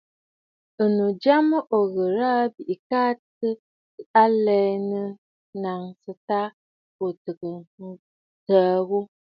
Ɨ̀nnu jya mə o ghɨrə̀ aa, bɨka tɔɔ alɛ ɨ nɔ̀ŋsə tâ ò təə ghu.